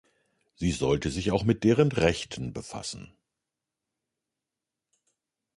Sie sollte sich auch mit deren Rechten befassen.